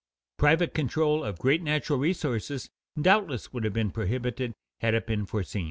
Private control of great natural resources doubtless would have been prohibited had it been foreseen.